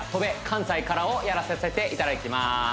関西から−をやらさせていただきます